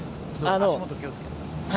足元に気をつけてくださいね。